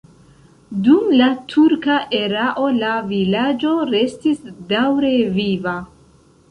Dum la turka erao la vilaĝo restis daŭre viva.